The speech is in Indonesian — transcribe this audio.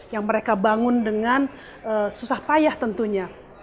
yang mereka bangun dengan susah payah tentunya